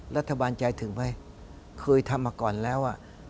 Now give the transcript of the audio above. รัฐบาลใจถึงไหมเคยทำมาก่อนแล้ว